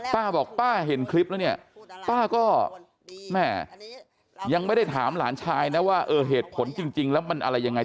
ป้าบอกป้าเห็นคลิปแล้วเนี่ยป้าก็แม่ยังไม่ได้ถามหลานชายนะว่าเออเหตุผลจริงแล้วมันอะไรยังไง